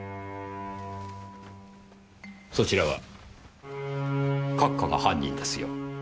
そちらは閣下が犯人ですよ。